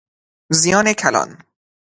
زیان کلان